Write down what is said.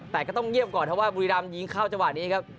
แต่ก็ต้องเงียบก่อนเพราะว่าบุรีรำยิงเข้าจังหวะนี้ครับ